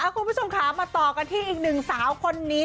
คุณผู้ชมค่ะมาต่อกันที่อีกหนึ่งสาวคนนี้